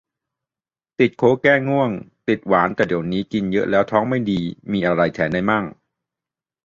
ติดโค้ก แก้ง่วง ติดหวาน แต่เดี๋ยวนี้กินเยอะแล้วท้องไม่มีดี มีอะไรแทนได้มั่ง